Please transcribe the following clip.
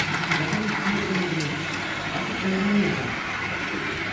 Masanın üstünde duran elime yapıştı: "Artık dayanamayacağım…" dedi.